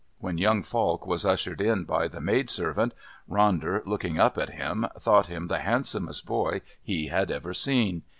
When young Falk was ushered in by the maid servant, Ronder, looking up at him, thought him the handsomest boy he'd ever seen.